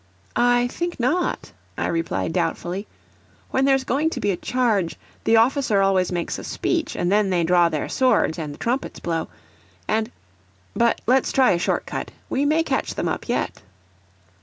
"I think not," I replied doubtfully. "When there's going to be a charge, the officer always makes a speech, and then they draw their swords and the trumpets blow, and but let's try a short cut. We may catch them up yet."